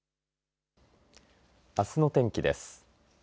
あすの天気です。